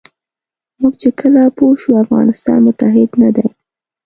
موږ چې کله پوه شو افغانستان متحد نه دی.